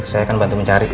saya akan bantu mencari